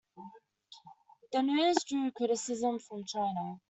The news drew criticism from China.